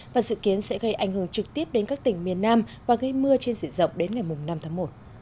và dự kiến sẽ gây ảnh hưởng trực tiếp đến các tỉnh miền nam và gây mưa trên diện rộng đến ngày năm tháng một